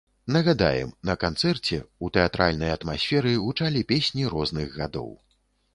Нагадаем, на канцэрце, у тэатральнай атмасферы гучалі песні розных гадоў.